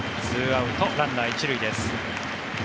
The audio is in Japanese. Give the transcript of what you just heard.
２アウト、ランナー１塁です。